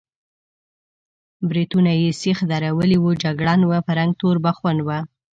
برېتونه یې سېخ درولي وو، جګړن و، په رنګ تور بخون و.